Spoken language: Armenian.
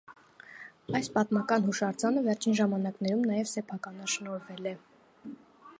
Այս պատմական հուշարձանը վերջին ժամանակներում նաև սեփականաշնորհվել է։